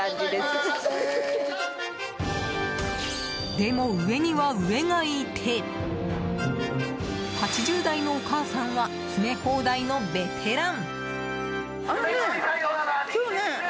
でも、上には上がいて８０代のお母さんは詰め放題のベテラン。